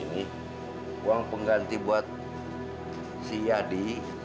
ini uang pengganti buat si adi